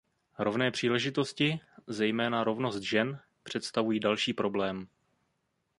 Rovné příležitosti, zejména rovnost žen, představují dalším problém.